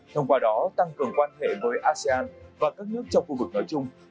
thông qua đó tăng cường quan hệ với asean và các nước trong khu vực nói chung